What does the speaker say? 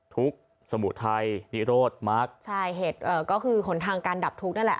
ทุกสมุทัยพิโรธมักใช่เหตุเอ่อก็คือหนทางการดับทุกข์นั่นแหละ